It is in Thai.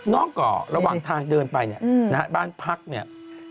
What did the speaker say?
น้องก็ระวังทางเดินไปเนี่ยบ้านพักเนี่ย